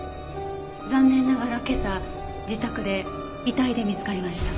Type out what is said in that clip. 残念ながら今朝自宅で遺体で見つかりました。